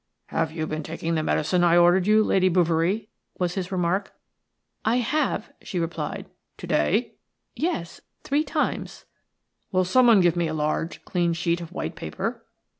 "Have you been taking the medicine I ordered you, Lady Bouverie?" was his remark. "I have," she replied. "To day?" "Yes; three times." "Will someone give me a large, clean sheet of white paper?"